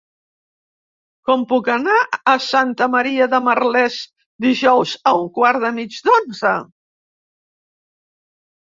Com puc anar a Santa Maria de Merlès dijous a un quart i mig d'onze?